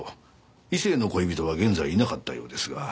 異性の恋人は現在いなかったようですが。